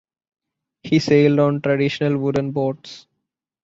He sailed on traditional wooden boats.